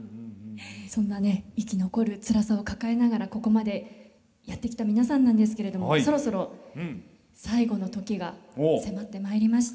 そんなね生き残るつらさを抱えながらここまでやってきた皆さんなんですけれどもそろそろ最後の時が迫ってまいりました。